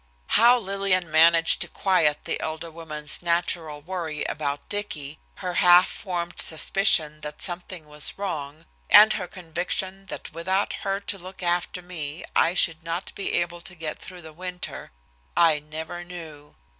How Lillian managed to quiet the elder woman's natural worry about Dicky, her half formed suspicion that something was wrong, and her conviction that without her to look after me I should not be able to get through the winter, I never knew.